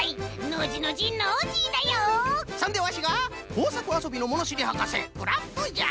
そんでワシがこうさくあそびのものしりはかせクラフトじゃ！